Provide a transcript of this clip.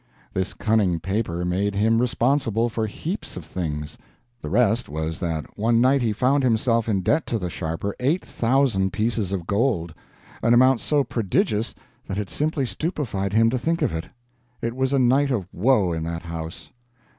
This cunning paper made him responsible for heaps of things. The rest was that one night he found himself in debt to the sharper eight thousand pieces of gold! an amount so prodigious that it simply stupefied him to think of it. It was a night of woe in that house.